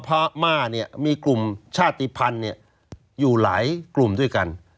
พม่าเนี่ยมีกลุ่มชาติภัณฑ์อยู่หลายกลุ่มด้วยกัน